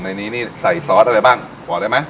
ในนี้ใส่ซอสอะไรบ้างบอกได้มั้ย